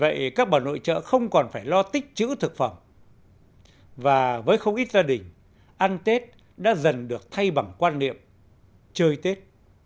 vậy các bà nội trợ không còn phải lo tích chữ thực phẩm và với không ít gia đình ăn tết đã dần được thay bằng quan niệm chơi tết